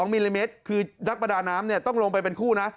มิลลิเมตรคือนักประดาน้ำต้องลงไปเป็นคู่นะ